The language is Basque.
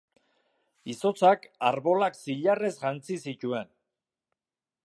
Izotzak arbolak zilarrez jantzi zituen.